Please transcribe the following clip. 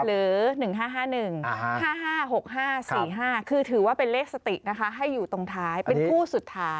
หรือ๑๕๕๑๕๕๖๕๔๕คือถือว่าเป็นเลขสตินะคะให้อยู่ตรงท้ายเป็นคู่สุดท้าย